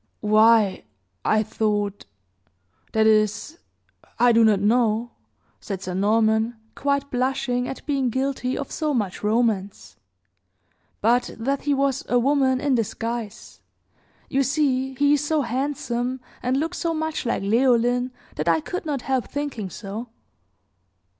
"Why, I thought that is, I do not know," said Sir Norman, quite blushing at being guilty of so much romance, "but that he was a woman in disguise. You see he is so handsome, and looks so much like Leoline, that I could not help thinking so."